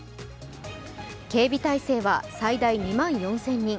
警備態勢は最大２万４０００人。